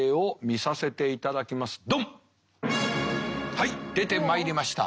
はい出てまいりました。